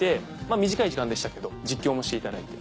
短い時間でしたけど実況もしていただいて。